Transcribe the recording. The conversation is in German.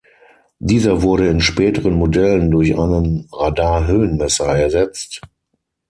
Dieser wurde in späteren Modellen durch einen Radarhöhenmesser ersetzt.